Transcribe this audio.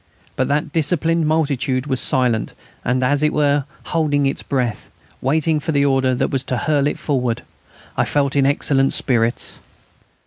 But that disciplined multitude was silent and, as it were, holding its breath, waiting for the order that was to hurl it forward. I felt in excellent spirits.